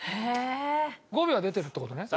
５秒は出てるって事ね？